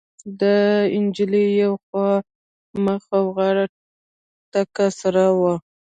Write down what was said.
د نجلۍ يوه خوا مخ او غاړه تکه سره وه.